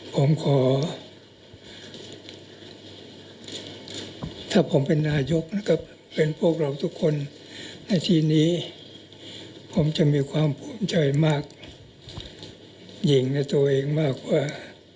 ผมขอถ้าผมเป็นนายกนะครับเป็นพวกเราทุกคนในทีนี้ผมจะมีความภูมิใจมากหญิงในตัวเองมากกว่า